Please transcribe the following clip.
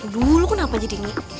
dulu kenapa jadi ini